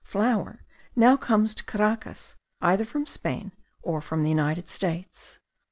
Flour now comes to Caracas either from Spain or from the United States.